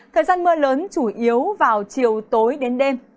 thời gian mưa lớn chủ yếu vào chiều tối đến đêm